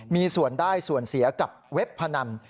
มีส่วนได้ส่วนเสียกับเว็บพนัน